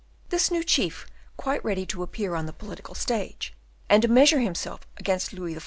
This new chief, quite ready to appear on the political stage, and to measure himself against Louis XIV.